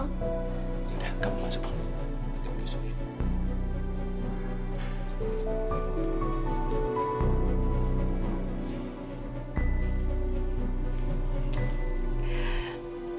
yaudah kamu masuk dulu